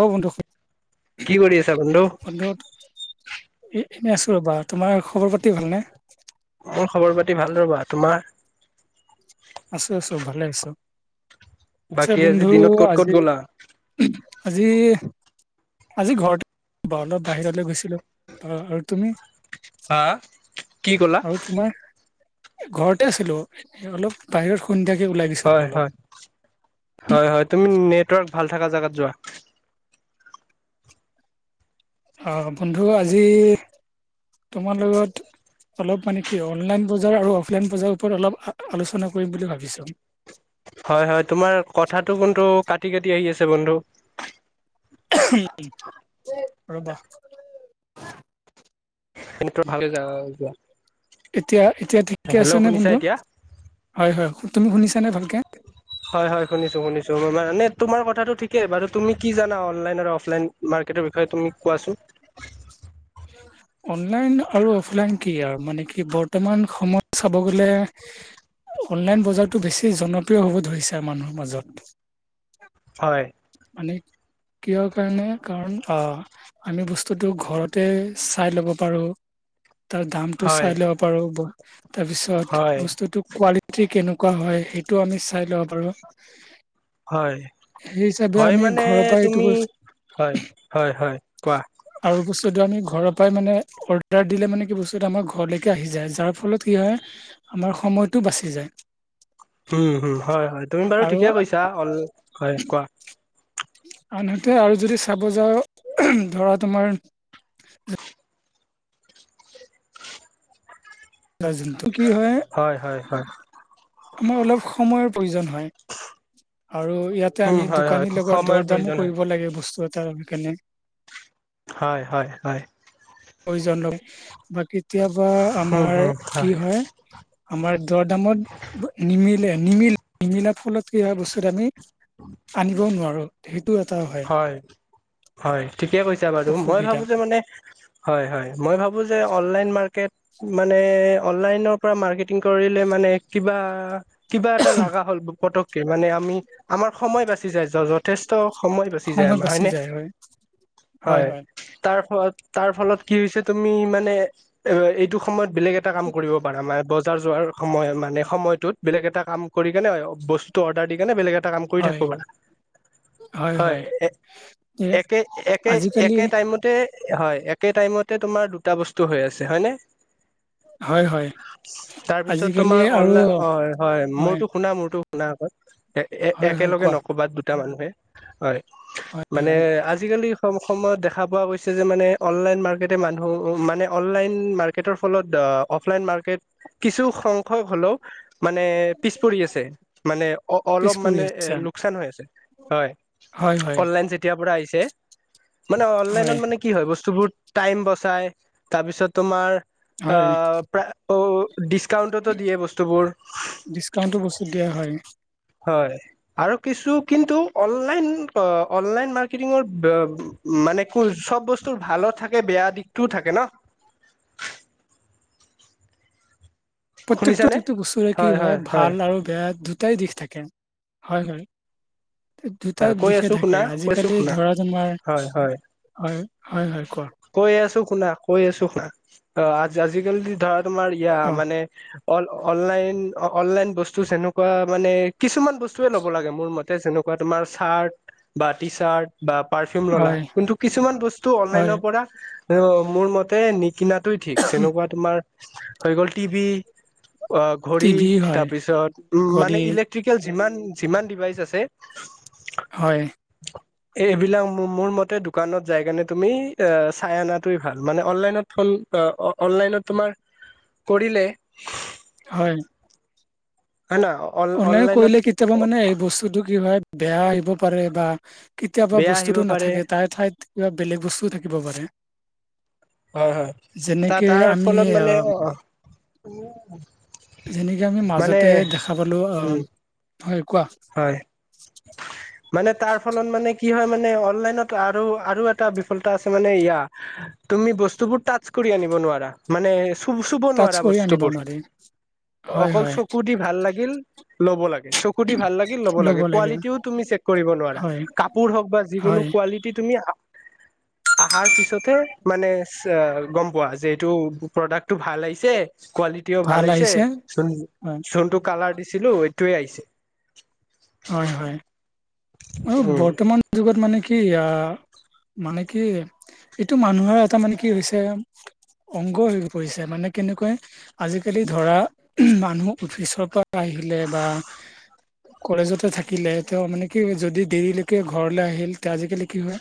অ বন্ধু কি কৰি আছা বন্ধু এই। এনেই আছো ৰ'বা তোমাৰ খবৰ পাতি ভালনে খবৰ পাতি ভাল ৰবা, তোমাৰ? আছো আছো ভালে আছো। আছে বাকী আজি বন্ধু দিনত ক'ত ক'ত আজি গ'লা? আজি। আজি ঘৰতে অলপ বাহিৰলৈ গৈছিলো আৰু তুমি। হা কি ক'লা? আৰু তোমাৰ ঘৰতে আছিলো অলপ বাহিৰত সন্ধিয়া হয় হয় হয় হয় তুমি নেটৱৰ্ক ভাল থকা জেগাত যোৱা। আহ বন্ধু আজি তোমাৰ লগত অলপ মানে কি, অনলাইন বজাৰ আৰু অফলাইন বজাৰৰ ওপৰত অলপ আলোচনা কৰিম বুলি ভাবিছোঁ। হয় হয় তোমাৰ কথাাতটো কিন্তু কাটি কাটি আহি আছে বন্ধু। ৰ'বা। ম ভালে য যোৱা। এতিয়া এতিয়া ঠিকে আছে হেল্ল' নে, শুনিছা বন্ধু এতিয়া? হয় হয় তুমি শুনিছানে ভালকে। হয় হয় শুনিছো শুনিছো মানে তোমাৰ কথাটো ঠিকেই বাৰু তুমি কি জানা অনলাইন আৰু অফলাইন। মাৰ্কেটৰ বিষয়ে তুমি কোৱাচোন। অনলাইন আৰু অফলাইন কি, আৰু মানে কি বৰ্তমান সময়ত চাব গ'লে। অনলাইন বজাৰটো বেছি জনপ্ৰিয় হ'ব ধৰিছে মানুহৰ মাজত। হয়। মানে কিহৰ কাৰণে কাৰণ। অ আমি বস্তুটো ঘৰতে চাই ল'ব পাৰোঁ। তাৰ দামটো হয় চাই ল'ব পাৰো। তাৰ পিছত, হয় বস্তুটো কোৱালিটি কেনেকুৱা হয়, সেইটো আমি চাই ল'ব পাৰোঁ। হয় সেই হিচাপে, হয় আমি মানে ঘৰৰ পৰা এইটো তুমি কৈছোঁ হয় হয় হয় কোৱা। আৰু বস্তুটো আমি ঘৰৰ মানে, অৰ্ডাৰ দিলে মানে, কি বস্তুটো আমাৰ ঘৰলেকে আহি যায়। যাৰ ফলত কি হয়, আমাৰ সময় বাচি যায়। উম, হু! হয়, হয়। তুমি বাৰু আৰু ঠিকে কৈছা। অল হয়, কোৱা? আনহাতে আৰু যদি চাব যাওঁ, ধৰা তোমাৰ [unintelligible] হয়, হয়, হয়। আমাৰ অলপ সময়ৰ প্ৰয়োজন হয়। আৰু ইয়াতে, উম আমি হয় হয় দোকানীৰ লগত সময়ৰ দৰ দামো প্ৰয়োজন হয় কৰিব লাগে বস্তু। কেনে হয়, হয়, হয়। প্ৰয়োজন [unintelligible] বা কেতিয়াবা উম আমাৰ হুম কি হয়, আমাৰ দৰ দামত নিমিত নিমিলে। নিমিলা ফলত কি হয়, বস্তুত আমি আনিবও নোৱাৰোঁ। হয়, হয়। ঠিকে কৈছা বাৰু মই অসুবিধা ভাবোঁ যে মানে, হয়। হয়। মই ভাবোঁ যে, অনলাইন মাৰ্কেট মানে, অনলাইনৰ পৰা মাৰ্কেটিং কৰিলে মানে, কিবা কিবা এটা লগা হ'ল পতককে। মানে, আমি আমাৰ সময় বাচি যায় যথেষ্ট। সময় বাছি যায় আমাৰ বাচি হয়নে? যায় হয় হয়। তাৰ ফলত, তাৰ ফলত কি হৈছে, তুমি মানে, এইটো সময়ত বেলেগ এটা কাম কৰিব পাৰা নাই। বজাৰ যোৱাৰ সময়, মানে, সময়টোত বেলেগ এটা কাম কৰি কেনে বস্তুটো অৰ্ডাৰ দি কেনে বেলেগ এটা এটা কাম কৰি হয় থাকিব পাৰা। হয়। এ একে, একে, আজিকালি একে টাইমতে হয়। একে টাইমতে তোমাৰ দুটা বস্তু হৈ আছে। হয় নে? হয় হয় তাৰপিছত, আজিকালি তোমাৰ আৰু অনলাইন অ'! হয়, মোৰতো শুনা, মোৰতো শুনা আ'ক, হয় হয় একেলগে কোৱা ন'কবা দুটা মানুহে। হয়! হয় হয় মানে, আজিকালি কম সময়ত দেখা পোৱা গৈছে। যে মানে, অনলাইন মাৰ্কেটে মানুহ, মানে অনলাইন মাৰ্কেটৰ ফলত অফলাইন মাৰ্কেট কিছু সংখ্যক হ'লেও মানে, পিছ পৰি আছে। মানে, অ'! পিছ অলপ পৰি মানে, এ, আছা লোকচান হৈ আছে। হয়। হয় হয় অনলাইন যেতিয়াৰ পৰা আহিছে। মানে, হয় অনলাইনত মানে, কি হয় বস্তুবোৰ টাইম বচাই। তাৰপিছত তোমাৰ, হয় আঁ প্ৰায় অ'! ডিচকাউন্টতো দিয়ে বস্তুবোৰ। ডিছকাউণ্টটো বস্তু দিয়া হয়? হয় আৰু কিছু কিন্তু, অনলাইন, অনলাইন মানে, চব বস্তু ভালোঁ থাকে, বেয়া দিশটোও থাকে ন'। প্ৰত্যেকটো, শুনিছানে প্ৰত্যেকটো বস্তুৰে কি হয়, ভাল আৰু বেয়া দু টাই দিশ থাকে। হয়, হয়। দুটা হয় কৈ দিশে আছো শুনা থাকে। কৈছো আজিকালি শুনা ধৰা তোমাৰ, হয় হয় হয়, হয়, হয়। কোৱা কৈ আছোঁ শুনা, কৈ আছোঁ শুনা, আঁ আজিকালি ধৰা তোমাৰ ইয়া অ মানে, অ'! অনলাইন, অনলাইন বস্তু যেনেকুৱা মানে কিছুমান বস্তুৱে ল'ব লাগে মোৰ মতে, যেনেকুৱা তোমাৰ চাৰ্ট বা টি চাৰ্ট। বা পাৰফিউম ল'লা। হয় কিন্তু, কিছুমান বস্তু হয় অনলাইনৰ পৰা মোৰ মতে নিকিনা টোৱে ঠিক। তেনেকুৱা তোমাৰ হৈ গ'ল টিভি ঘড়ী, টিভি হয় তাৰপিছত, উম! মানে, ঘড়ী এলেট্ৰিকেল যিমান, যিমান ডিভাইচ আছে। হয়। এ এইবিলাক মোৰ মতে দোকানত যাই কাৰণে তুমি এ চাই অনাটোৱেই ভাল মানে অনলাইনত ফোন অনলাইনত তোমাৰ কৰিলে হয় হয় না অন- অনলাইন অনলাইনত কৰিলে কেতিয়াবা মানে এই বস্তুটো কি হয় বেয়া আহিব পাৰে বা কেতিয়াবা বেয়া আহিব বস্তুতটো পাৰে নাথাকে তাই ঠাইত কিবা বেলেগ বস্তুও থাকিব পাৰে হয় হয় ত যেনেকে তাৰ আমি ফলত মানে অ যেনেকে আমি মানে মাজতে দেখা পালো আ উম হয় কোৱা হয় মানে তাৰ ফলত মানে কি কি হয় মানে অনলাইনত আৰু আৰু এটা বিফলতা আছে মানে ইয়া তুমি বস্তুবোৰ টাচ কৰি আনিব নোৱাৰা মানে চু চুব টাচ নোৱাৰা কৰি আনিব বস্তুবোৰ নোৱাৰি হয় অকল হয় চকু দি ভাল লাগে গিল লব লাগে ভাল লাগিল লব লাগে কোৱালিটিও তুমি চেক কৰিব নোৱাৰা হয় কাপোৰ হওক বা যিকোনো হয় কোৱালিটি তুমি [inaudible] আহাৰ পিছতহে মানে গম পোৱা যে এইটো প্ৰডাক্টটো ভাল আহিছে কোৱালিটিও ভাল আহিছে জোন হয় জোনটো কালাৰ দিছিলো এইটোয়ে আহিছে। হয় হয়। উম বৰ্তমান যুগত মানে কি আহ মানে কি এইটো মানুহৰ এটা মানে কি হৈছে অংগ হৈ পৰিছে মানে কেনেকৈ আজিকালি ধৰা মানুহ অফিচৰ পৰা আহিলে বা কলেজতে থাকিলে তেওঁ মানে কি যদি দেৰিলৈকে ঘৰলে আহিল তে আজিকালি কি হয়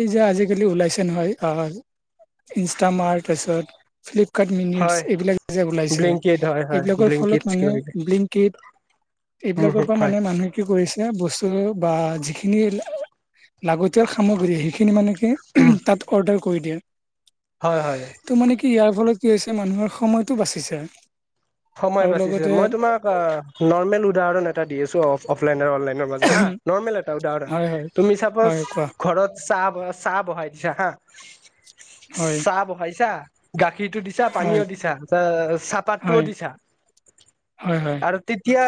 এই যে আজিকালি ওলাইছে নহয়, আ ইনষ্টামাৰ্ত, ফ্লিপ কাৰ্ট মিনিটচ হয় এইবিলাক যে ওলাইছে ব্লিংকিত হয় হয় এইবিলাকৰ ব্লিংকিত ফলত মানে কিবা কিবি ব্লিকিট, উম এইবিলাকৰ পৰা হয় মানে মানুহে কি কৰিছে বস্তু বা যিখিনি লাগতিয়াল সামগ্ৰী সেইখিনি মানে কি উম তাত অৰ্ডাৰ কৰি দিয়ে। হয় হয় ত' মানে কি ইয়াৰ ফলত কি হৈছে মানুহৰ সময়টো বাচিছে। সময় আৰু বাচিছে লগতে মই তোমাক নৰ্মেল উদাহৰণ এটা দি আছো অফলাইন ৰ আৰু অনলাইনৰ মাজত হা? নৰ্মেল এটা উদাহৰণ হয় হয় তুমি চাপছ হয় কোৱা ঘৰত চাহ অ চাহ বহাই দিছা হা হয় চাহ বহাইছা গাখীৰটো দিছা হয় পানীও দিছা চাহপা তো হয় দিছা হয় হয় আৰু তেতিয়া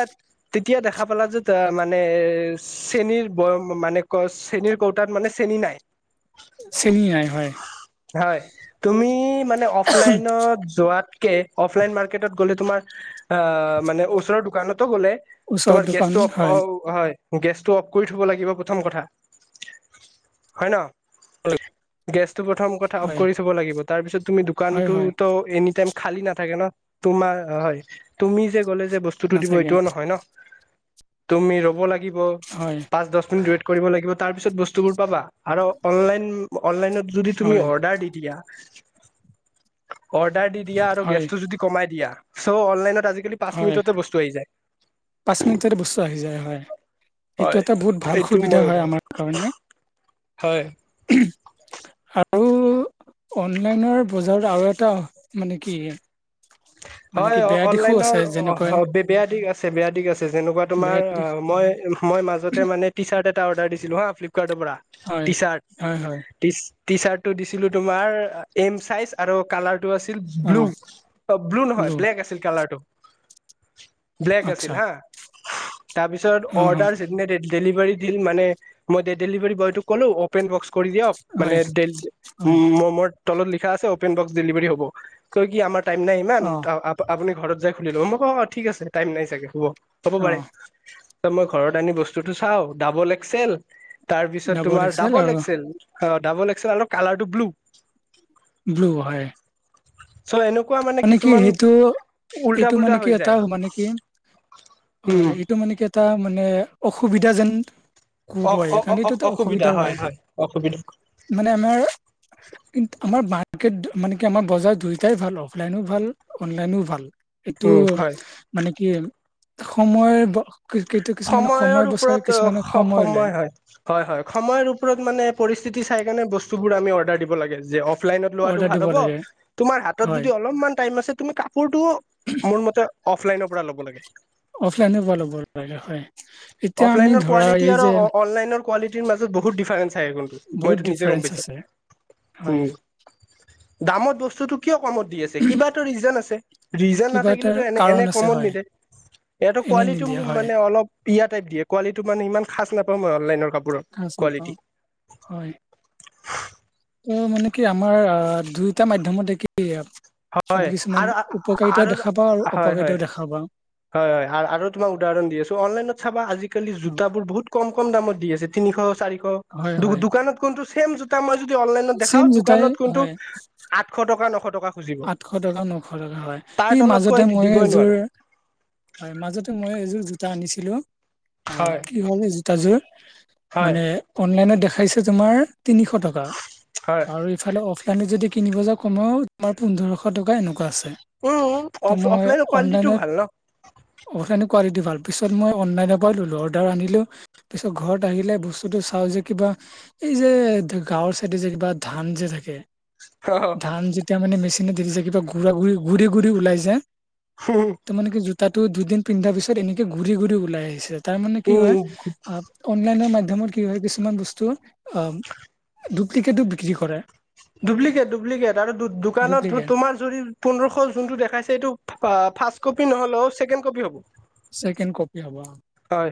এতিয়া দেখা পালা যে ত মানে চেনিৰ মানে চেনিৰ বয়াম মানে চেনিৰ কৌতাত মানে চেনি নাই। চেনি নাই হয়। হয় তুমি মানে অফলাইনত যোৱাতকে অফলাইন মা ৰ্কেটত গলে তোমাৰ আহ মানে ওচৰৰ দোকানত গলে ওচৰৰ তোমাৰ দোকান গেছটো অ হয় হয়। গেছটো অফ কৰি থ'ব লাগিব প্ৰথম কথা হয় ন? গেছটো প্ৰথম কথা অফ হয় কৰি থব লাগিব। তাৰপিছত তুমি হয় হয় দোকানটোত এনিটাইম খালী নাথাকে ন? তোমাৰ হয়। তুমি যে গ'লে যে বস্তুটো দিব নাথাকে এইটোও নহয় ন। তুমি ৰ'ব লাগি ব হয় পাঁচ দহ মিনিট ৱেইট কৰিব লাগিব তাৰ পাছত বস্তুবোৰ পাবা আৰু অনলাইনত যদি তুমি হয় অৰ্ডাৰ দি দিয়া অৰ্ডাৰ দি দিয়া আৰু হয় গেছটো যদি কমাই দিয়া চ' অনলাইনত আজিকালি পাঁচ হয় মিনিটতে বস্তু আহি যায়। পাঁচ মিনিটতে বস্তো আহি যায় হয়। এইটো হয় এটা বহুত ভাল এইটো সুবিধা মই হয় উদাৰ আমাৰ কাৰণে। হয়। আৰু অনলাইনৰ বজাৰত আৰু এটা মানে কি মানে হয় কি বেয়া দিশো আছে অনলাইনৰ যেনেকৈ অ বেয়া দিখ আছে, বেয়া দিখ আছে। যেনেকুৱা তোমাৰ বেয়া অ দিশ মই মই মাজতে মানে টি চাৰ্ট এটা অৰ্ডাৰ দিছিলো হা ফ্লিপকাৰ্টৰ পৰা হয় টি চাৰ্ট হয় হয় টি চাৰ্টটো দিছিলো তোমাৰ, এম চাইজ আৰু কালাৰটো আছিল অ ব্লু। ব্লু নহয় ব্লেক আছিল কালাৰটো। ব্লেক আছিল আচ্ছা হা? তাৰপিছত অ অ অৰ্ডাৰ যিদিনা ডেলিভাৰী দিল মানে, মই ডেলিভাৰী বয়টোক ক'লো অপেন বক্স কৰি দিয়ক। মানে হয় হয় মোৰ তলত লিখা আছে অপেন বক্স ডেলিভাৰী হ'ব। চ' কি আমাৰ টাইম নাই ইমান অ আপুনি ঘৰত যাই খুলি ল'ব। মোক অ' অ' ঠিক আছে, টাইম নাই চাগে! হ'ব, হ'ব অ পাৰে। মই ঘৰত আনি বস্তুতটো চাওঁ ডাবল এক্সেল। তাৰ পিছত ডাবল তোমাৰ ডাবল আৰু এক্সেল অ' ডাবল এক্সেল অলপ কালাৰটো ব্লু। ব্লু হয়। চ' এনে মানে কি সেইটো, এইটো পুল্টা মানে কি হৈ এটা যায় মানে কি হয়, উম এইটো মানে কি এটা মানে অসুবিধা যেন ক'ব অ পাৰি। অ কাৰণ অ এইটো এটা অসুবিধা অসুবিধাও হয়। অসুবিধা মানে আমাৰ কিন্ত আমাৰ মাৰ্কেট মানে কি আমাৰ বজাৰ দুইটাই ভাল। অফলাইনো ভাল, অনলাইনো ভাল। এইটো উম হয় মানে কি? সময় কিছুমানে সময় সময়ৰ বচাই ওপৰত কিছুমানে লয় সময় হয়। হয় হয়, সময়ৰ ওপৰত মানে পৰি তি চাই কেনে বস্তুবোৰ আমি অৰ্ডাৰ দিব লাগে। যে অফলাইনত লোৱাটো অৰ্ডাৰ দিব ভাল লাগে হ'ব। তোমাৰ হাতত হয় যদি অলপমান টাইম আছে, তুমি কাপোৰটো মোৰ মতে অফলাইনৰ পৰা ল'ব লাগে। অফলাইনৰ পৰা ল'ব লাগে। হয় এতিয়া আমি অফলাইনৰ ধৰা কোৱালিটি এই আৰু যে অনলাইনৰ কোৱালিটিৰ মাজত বহুত ডিফাৰেন্ঞ্চ। বহুত মইতো নিজে গম ডিফাৰেন্স পাইছো। আছে হয় উম, দামত বস্তুতো কমত দি আছে, কিবাটো ৰিজন আছে ৰিজন কিবা এটা নাথাকিলেতো কাৰণ এনে আছে কমত হয় নিদিয়ে। ইয়াতো এনেই নিদিয়া কোৱালিটিও হয় মানে অলপ ইয়া দিয়ে। কোৱালিটীটো মানে ইমান খাছ নাপাওঁ মই। অনলাইন কাপোৰৰ সাজ কোৱালিটি নাপাওঁ হয় ত' মানে কি, আমাৰ আ দুইটা মাধ্যমত কি আমি হয় কিছুমান আৰু উপকাৰিতা আৰু দেখা পাওঁ আৰু হয় হয় অপকাৰিতাও দেখা পাওঁ। হয় হয়। আৰু তোমাক উদাহৰণ দি আছো অনলাইনত চাবা আজিকালি অ, জোতাবোৰ বহুত কম কম দামত দি আছে। তিনিশ-চাৰিশ হয় হয় দোকানত কিন্তু ছেম জোতা মই যদি অনলাইনত দেখাও, চেম জোতাই দোকানত কিন্তু হয় আঠশ টকা, নশ টকা খুজিব আঠশ টকা, নশ টকা হয়। তাৰ সেই তলত কৈ মাজতে মই দিবই এযোৰ নোৱাৰো হয়। মাজতে মই এযোৰ জোতা আনিছিলো অ' হয় কি হ'ল জোতাযোৰ, হয় মানে অনলাইনত দেখাইছে তোমাৰ তিনিশ টকা। হয় আৰু ইফালে অফলাইনত যদি কিনিব যাও কমেও আমাৰ পোন্ধৰশ টকা এনেকুৱা আছে। উম ত' অফ মই অফলাইনৰ কোৱালিটিটো অনলাইনত, ভাল ন অফলাইন কোৱালিটি ভাল। পিছত মই অনলাইনৰ পৰাও ল'লোঁ। অৰ্ডাৰ আনিলোঁ, পিছত ঘৰত আহিলে বস্তুটো চাওঁ যে কিবা এই যে গাঁৱৰ চাইডে যে কিবা ধান যে থাকে হ হ মেচিনেদি যায় কিবা গুৰা, গুৰি গুৰি ওলাই যে, তাৰ মানে কি জোতাত দুইদিন পিন্ধাৰ পিছত এনেকে গুৰি গুৰি ওলাই আহিছে। তাৰ মানে কি হয়, উম আ অনলাইনৰ ত কি হয় কিছুমান বস্তু, আহ ডুপ্লিকেটো বিক্ৰী কৰে। Duplicate, duplicate. আৰু দোকানত ডুপ্লিকেট তোমাৰ যদি পোন্ধৰশ যোনটো দেখাইছে এইটো ফাৰ্ষ্ট কপি নহ'লেও ছেকেণ্ড কপি হ'ব। ছেকেণ্ড কপি হ'ব। হয়,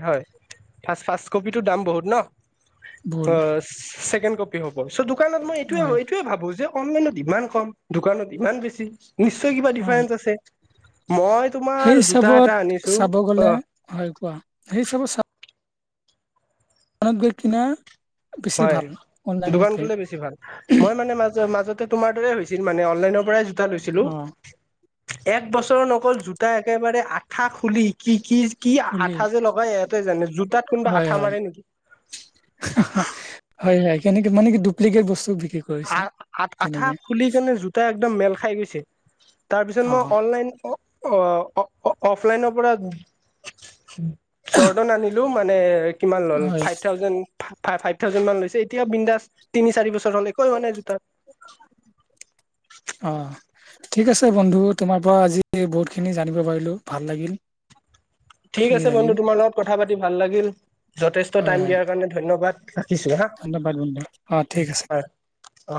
ফাৰ্ষ্ট কপিটো দাম বহু ন? বহুত ছেকেণ্ড কপি হ'ব। চ' দোকানত মই এইটোৱে, হয় এইটোৱে ভাবো যে অনলাইনত ইমান কম। দোকানত ইমান বেছি! নিশ্চয় কিবা হয় ডিফাৰেন্ঞ্চ আছে! মই তোমাৰ সেই জোতা এটা হিচাপত আনিছো চাব অ গ'লে, হয় কোৱা। সেই হিচাপত দোকানত গৈ কিনাৰ হয় দোকান গলে বেছি ভাল মই মানে মাজ মাজতে তোমাৰ দৰে হৈ ছিল মানে অনলাইনৰ পৰাই জোতা লৈছিলো অ এক বছৰ নগল জোতা একেবাৰে আঠা খুলি কি কি কি খুলি আঠা যে লগাই সেতে জানে জোতাত কোনোবা হয় আঠা হয় মাৰে নেকি হয় হয় কেনেকে মান কি ডুপ্লিকেট বস্তু বি আ আ আঠা খুলি কেনে জোতা একদম মেল খাই গৈছে তাৰপিছত অ মই অনলাইন কও অ অ অফলাইনৰ পৰা জৰ্ডন আনিলো মানে কিমান ল'লে হয় ফাইভ থাউজেণ্ড ফাইভ থাউজেণ্ড মান লৈছে এতিয়া বিন্দাস তিনি চাৰি বছৰলে কোৱা নাই জোতাত অ ঠিক আছে বন্ধু তোমাৰ পৰা আজি বহুতখিনি জানিব পাৰিলো ভাল লাগিল ঠিক এইখিনি আছে জানি বন্ধু তোমাৰ লগত কথা পাতি ভাল লাগিল যথেষ্ট হয় টাইম হয় দিয়াৰ কাৰণে ধন্যবাদ ৰাখিছো হা ধন্যবাদ অ ঠিক আছে। অ